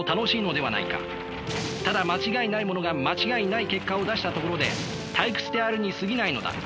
ただ間違いないものが間違いない結果を出したところで退屈であるにすぎないのだ。